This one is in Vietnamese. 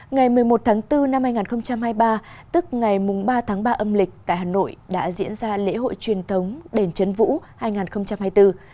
ngày một mươi một tháng bốn năm hai nghìn hai mươi ba tức ngày ba tháng ba âm lịch tại hà nội đã diễn ra lễ hội truyền thống đền trấn vũ hai nghìn hai mươi bốn